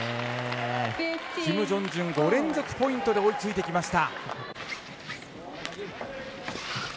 キム・ジョンジュン５連続ポイントで追いついてきました。